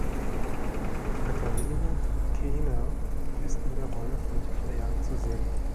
Catherine Keener ist in der Rolle von Claire zu sehen.